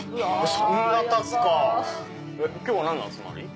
そんな経つかぁ今日は何の集まり？